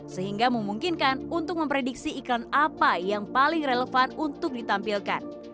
sehingga memungkinkan untuk memprediksi iklan apa yang paling relevan untuk ditampilkan